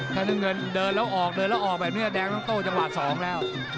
ขนะหนึ่งเดินแล้วออกแดงต้องโตจังหวาดสองแล้ว